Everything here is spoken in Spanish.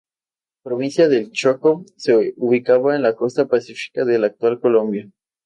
La provincia del Chocó se ubicaba en la costa Pacífica de la actual Colombia.